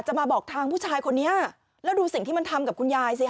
มาบอกทางผู้ชายคนนี้แล้วดูสิ่งที่มันทำกับคุณยายสิฮ